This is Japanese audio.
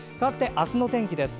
明日の天気です。